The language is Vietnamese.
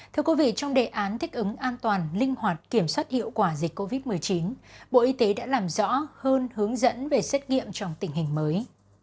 thưa quý vị trong đề án thích ứng an toàn linh hoạt kiểm soát hiệu quả dịch covid một mươi chín bộ y tế đã làm rõ hơn hướng dẫn về xét nghiệm trong tình hình mới